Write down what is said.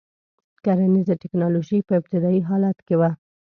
کرنیزه ټکنالوژي په ابتدايي حالت کې وه.